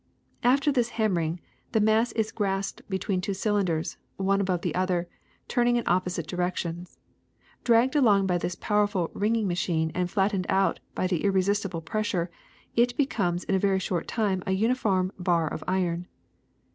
*' After this hammering the mass is grasped be tween two cylinders, one above the other, turning in opposite directions. Dragged along by this power ful wringing machine and flattened out by the irre sistible pressure, it becomes in a very short time a uniform bar of iron.